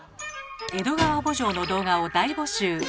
「江戸川慕情」の動画を大募集。